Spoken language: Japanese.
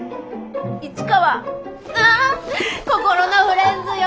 市川あ心のフレンズよ。